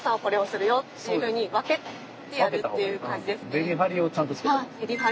メリハリをちゃんとつけてあげる。